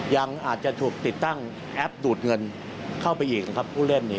ยังอาจจะถูกติดตั้งแอปดูดเงินเข้าไปอีกนะครับผู้เล่น